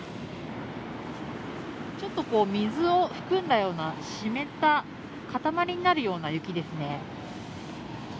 ちょっと水を含んだような湿った、塊になるような雪ですね。